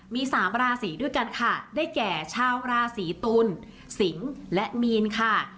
มี๓ราศีด้วยกันค่ะได้แก่ชาวราศีตุลสิงศ์และมีนค่ะ